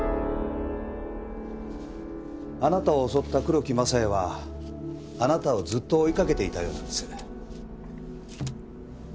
あなたを襲った黒木政也はあなたをずっと追いかけていたようなんです。